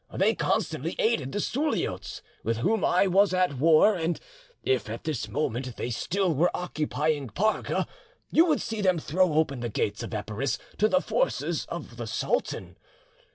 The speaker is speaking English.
They constantly aided the Suliotes with whom I was at war; and if at this moment they still were occupying Parga, you would see them throw open the gates of Epirus to the forces of the sultan.